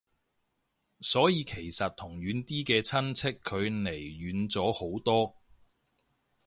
所以其實同遠啲嘅親戚距離遠咗好多